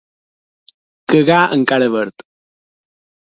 Cagar encara verd.